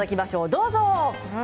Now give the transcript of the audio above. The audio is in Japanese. どうぞ。